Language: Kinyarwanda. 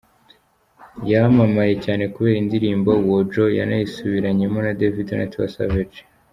Yamamaye cyane kubera indirimbo “Woju” , yanayisubiranyemo na Davido na Tiwa Savage.